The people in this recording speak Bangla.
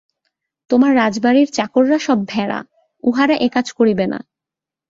তোমার রাজবাড়ির চাকররা সব ভেড়া, উহারা এ-কাজ করিবে না।